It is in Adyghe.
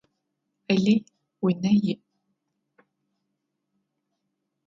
Алый унэ иӏ.